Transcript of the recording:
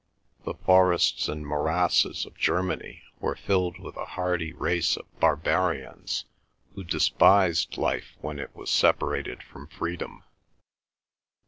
The forests and morasses of Germany were filled with a hardy race of barbarians, who despised life when it was separated from freedom.